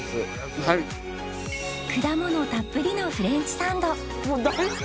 果物たっぷりのフレンチサンド